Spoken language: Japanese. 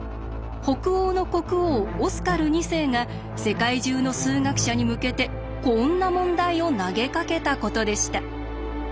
北欧の国王オスカル２世が世界中の数学者に向けてこんな問題を投げかけたことでした。